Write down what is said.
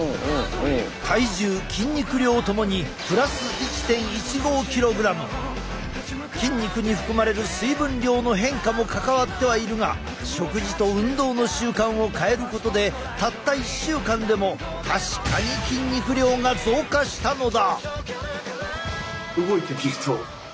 体重筋肉量ともに筋肉に含まれる水分量の変化も関わってはいるが食事と運動の習慣を変えることでたった１週間でも確かに筋肉量が増加したのだ。